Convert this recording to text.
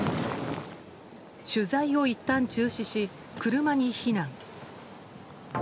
取材をいったん中止し車に避難。